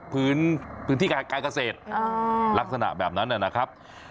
พื้นที่การเกษตรลักษณะแบบนั้นนะครับ